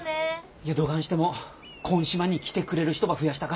いやどがんしてもこん島に来てくれる人ば増やしたか。